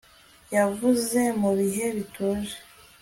Yavuze mu bihe bituje